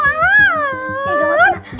eh gawat kenapa